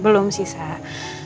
belum sih sarah